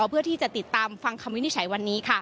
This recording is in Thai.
เพื่อที่จะติดตามฟังคำวินิจฉัยวันนี้